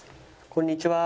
こんにちは。